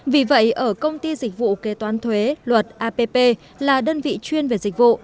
vì vậy ở công ty dịch vụ kế toán thuế luật app là đơn vị chuyên về dịch vụ